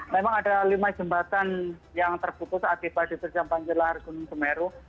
memang ada lima jembatan yang terputus akibat di terjemahan jelahar gunung jemeru